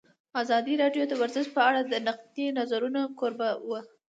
ازادي راډیو د ورزش په اړه د نقدي نظرونو کوربه وه.